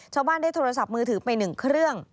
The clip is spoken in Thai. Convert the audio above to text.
ชาวบ้านได้โทรศัพท์มือถือไป๑เครื่อง